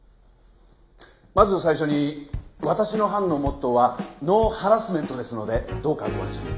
まず最初に私の班のモットーはノーハラスメントですのでどうかご安心を。